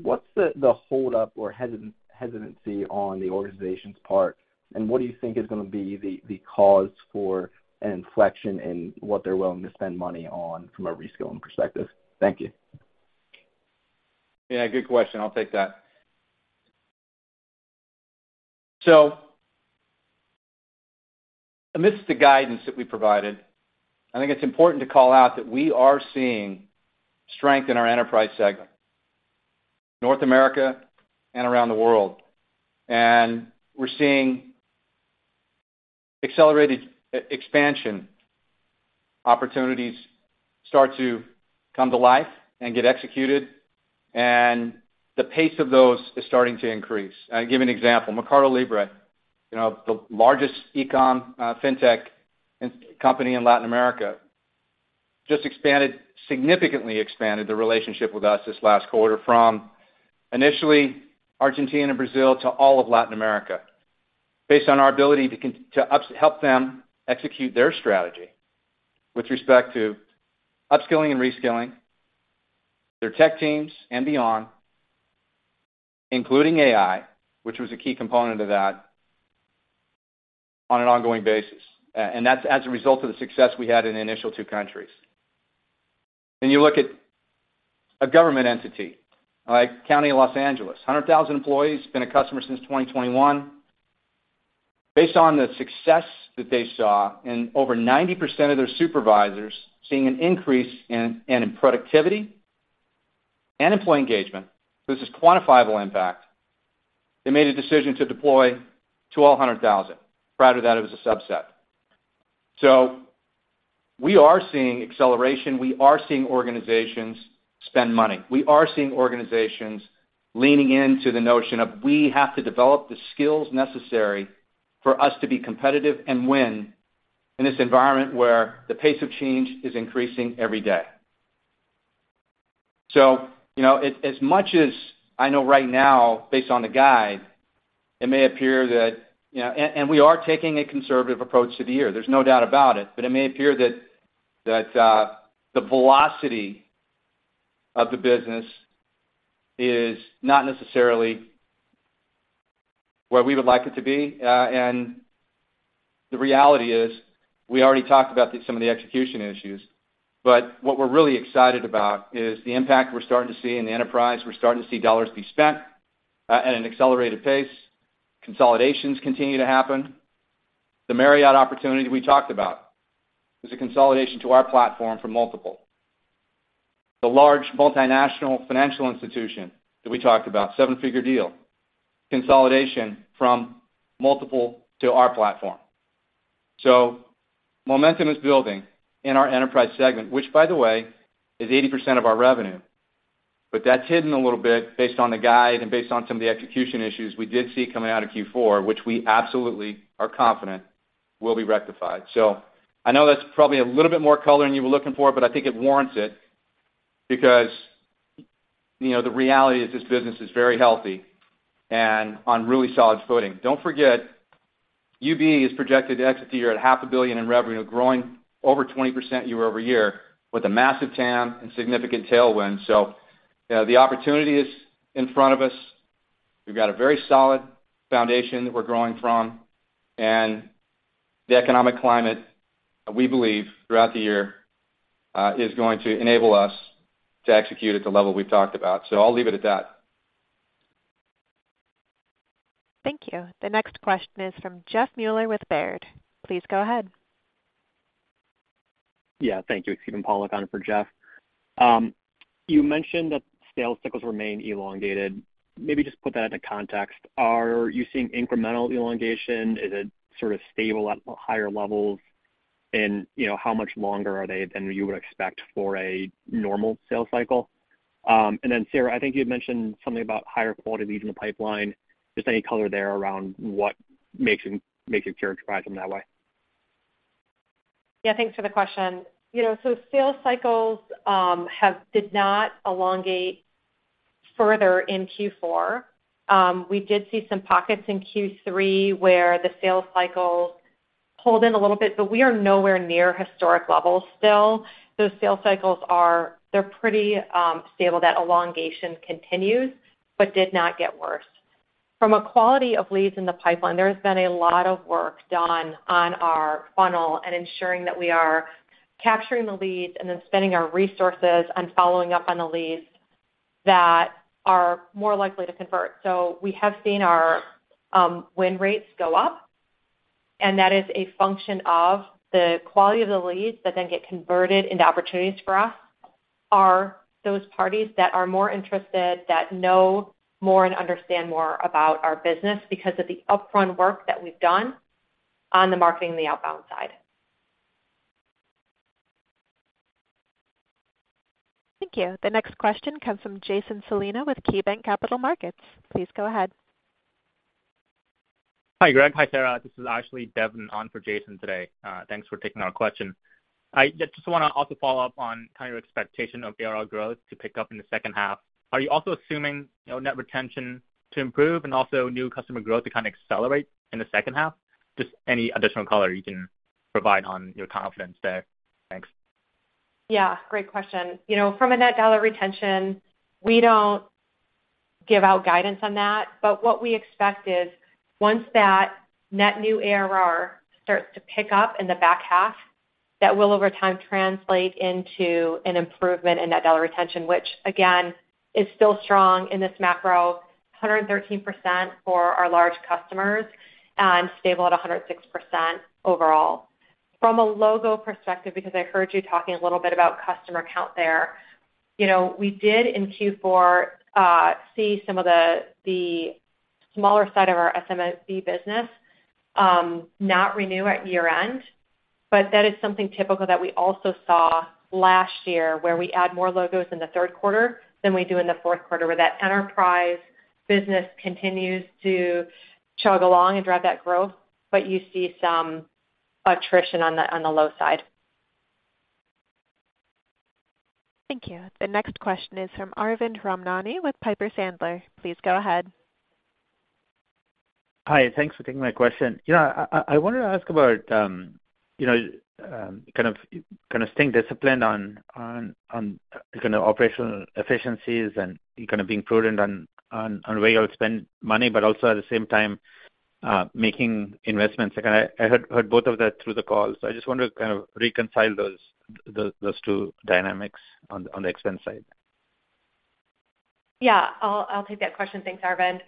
what's the holdup or hesitancy on the organization's part, and what do you think is going to be the cause for an inflection in what they're willing to spend money on from a reskilling perspective? Thank you. Yeah, good question. I'll take that. So amidst the guidance that we provided, I think it's important to call out that we are seeing strength in our enterprise segment, North America, and around the world. And we're seeing accelerated expansion opportunities start to come to life and get executed, and the pace of those is starting to increase. I'll give an example. MercadoLibre, the largest e-commerce and fintech company in Latin America, just significantly expanded the relationship with us this last quarter from initially Argentina and Brazil to all of Latin America based on our ability to help them execute their strategy with respect to upskilling and reskilling their tech teams and beyond, including AI, which was a key component of that on an ongoing basis. And that's as a result of the success we had in the initial two countries. You look at a government entity like County of Los Angeles, 100,000 employees, been a customer since 2021. Based on the success that they saw and over 90% of their supervisors seeing an increase in productivity and employee engagement, so this is quantifiable impact, they made a decision to deploy to all 100,000. Prior to that, it was a subset. So we are seeing acceleration. We are seeing organizations spend money. We are seeing organizations leaning into the notion of, "We have to develop the skills necessary for us to be competitive and win in this environment where the pace of change is increasing every day." So as much as I know right now, based on the guide, it may appear that and we are taking a conservative approach to the year. There's no doubt about it. But it may appear that the velocity of the business is not necessarily where we would like it to be. And the reality is we already talked about some of the execution issues. But what we're really excited about is the impact we're starting to see in the enterprise. We're starting to see dollars be spent at an accelerated pace. Consolidations continue to happen. The Marriott opportunity we talked about was a consolidation to our platform from multiple. The large multinational financial institution that we talked about, seven-figure deal, consolidation from multiple to our platform. So momentum is building in our enterprise segment, which, by the way, is 80% of our revenue. But that's hidden a little bit based on the guide and based on some of the execution issues we did see coming out of Q4, which we absolutely are confident will be rectified. So I know that's probably a little bit more color than you were looking for, but I think it warrants it because the reality is this business is very healthy and on really solid footing. Don't forget, UB is projected to exit the year at $500 million in revenue, growing over 20% year-over-year with a massive TAM and significant tailwinds. So the opportunity is in front of us. We've got a very solid foundation that we're growing from. And the economic climate, we believe, throughout the year is going to enable us to execute at the level we've talked about. So I'll leave it at that. Thank you. The next question is from Jeff Meuler with Baird. Please go ahead. Yeah, thank you, Steven Pollyak, on for Jeff. You mentioned that sales cycles remain elongated. Maybe just put that into context. Are you seeing incremental elongation? Is it sort of stable at higher levels? And how much longer are they than you would expect for a normal sales cycle? And then, Sarah, I think you had mentioned something about higher quality leads in the pipeline. Just any color there around what makes it characterize them that way? Yeah, thanks for the question. So sales cycles did not elongate further in Q4. We did see some pockets in Q3 where the sales cycles pulled in a little bit, but we are nowhere near historic levels still. Those sales cycles, they're pretty stable. That elongation continues but did not get worse. From a quality of leads in the pipeline, there has been a lot of work done on our funnel and ensuring that we are capturing the leads and then spending our resources on following up on the leads that are more likely to convert. So we have seen our win rates go up, and that is a function of the quality of the leads that then get converted into opportunities for us. Are those parties that are more interested, that know more and understand more about our business because of the upfront work that we've done on the marketing and the outbound side? Thank you. The next question comes from Jason Celino with KeyBanc Capital Markets. Please go ahead. Hi, Greg. Hi, Sarah. This is actually Devin on for Jason today. Thanks for taking our question. I just want to also follow up on kind of your expectation of ARR growth to pick up in the second half. Are you also assuming net retention to improve and also new customer growth to kind of accelerate in the second half? Just any additional color you can provide on your confidence there. Thanks. Yeah, great question. From a net dollar retention, we don't give out guidance on that. But what we expect is once that net new ARR starts to pick up in the back half, that will over time translate into an improvement in net dollar retention, which, again, is still strong in this macro, 113% for our large customers and stable at 106% overall. From a logo perspective, because I heard you talking a little bit about customer count there, we did in Q4 see some of the smaller side of our SMB business not renew at year-end. But that is something typical that we also saw last year where we add more logos in the third quarter than we do in the fourth quarter where that enterprise business continues to chug along and drive that growth, but you see some attrition on the low side. Thank you. The next question is from Arvind Ramnani with Piper Sandler. Please go ahead. Hi. Thanks for taking my question. I wanted to ask about kind of staying disciplined on kind of operational efficiencies and kind of being prudent on where you'll spend money, but also at the same time making investments. I heard both of that through the call. I just wanted to kind of reconcile those two dynamics on the expense side. Yeah, I'll take that question. Thanks, Arvind.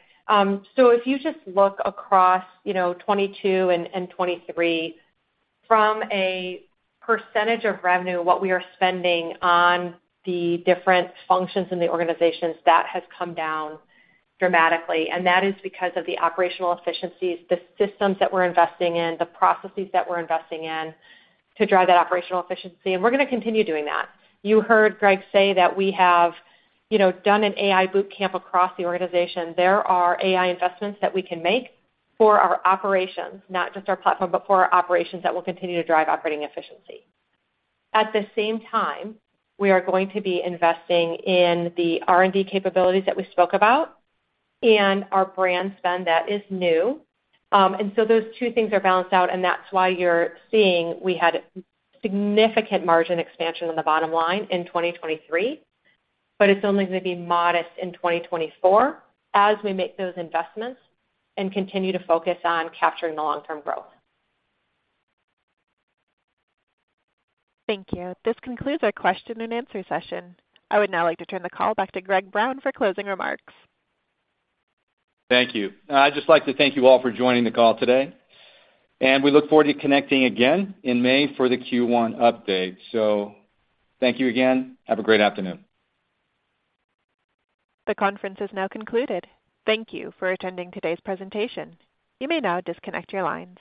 So if you just look across 2022 and 2023, from a percentage of revenue, what we are spending on the different functions in the organizations, that has come down dramatically. And that is because of the operational efficiencies, the systems that we're investing in, the processes that we're investing in to drive that operational efficiency. And we're going to continue doing that. You heard Greg say that we have done an AI boot camp across the organization. There are AI investments that we can make for our operations, not just our platform, but for our operations that will continue to drive operating efficiency. At the same time, we are going to be investing in the R&D capabilities that we spoke about and our brand spend that is new. So those two things are balanced out, and that's why you're seeing we had significant margin expansion on the bottom line in 2023. It's only going to be modest in 2024 as we make those investments and continue to focus on capturing the long-term growth. Thank you. This concludes our question-and-answer session. I would now like to turn the call back to Greg Brown for closing remarks. Thank you. I'd just like to thank you all for joining the call today. We look forward to connecting again in May for the Q1 update. Thank you again. Have a great afternoon. The conference is now concluded. Thank you for attending today's presentation. You may now disconnect your lines.